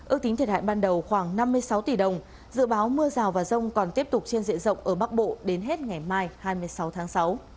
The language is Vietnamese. ước tính thiệt hại ban đầu khoảng năm mươi sáu tỷ đồng dự báo mưa rào và rông còn tiếp tục trên diện rộng ở bắc bộ đến hết ngày mai hai mươi sáu tháng sáu